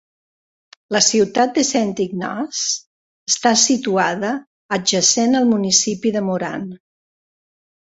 La ciutat de Saint Ignace està situada adjacent al municipi de Moran.